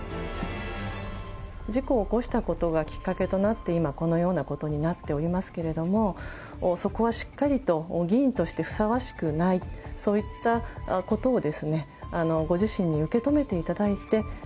事故を起こしたことがきっかけとなって、今このようなことになっておりますけれども、そこはしっかりと、議員としてふさわしくない、そういったことをご自身で受け止めていただいて。